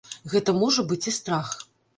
Гэта можа быць і страх.